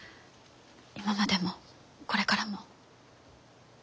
今までもこれからも。